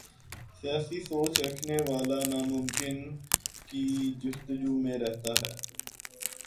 سیاسی سوچ رکھنے والا ناممکن کی جستجو میں رہتا ہے۔